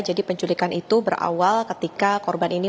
jadi penculikan itu berawal ketika korban ini